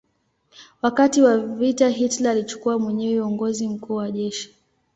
Wakati wa vita Hitler alichukua mwenyewe uongozi mkuu wa jeshi.